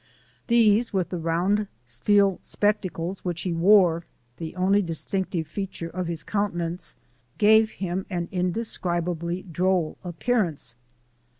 These, with the round steel spectacles which he wore the only distinctive feature of his countenance gave him an indescribably droll appearance.